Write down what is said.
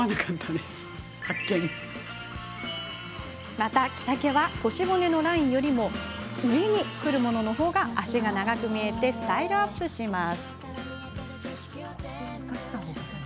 また着丈は腰骨のラインより上にくるものの方が脚が長く見えてスタイルアップします。